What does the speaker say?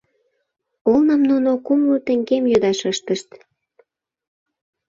Олным нуно кумло теҥгем йодаш ыштышт.